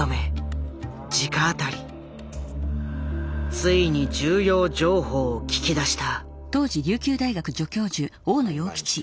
ついに重要情報を聞き出した。